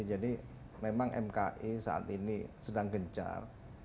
jadi memang mki saat ini sedang gencar